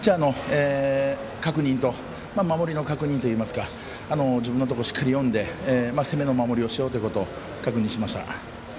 ピッチャーの確認と守りの確認というか自分のところ、しっかり読んで攻めの守りをしようと確認しました。